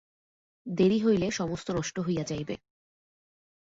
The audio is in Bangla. দেরি হইলে সমস্ত নষ্ট হইয়া যাইবে।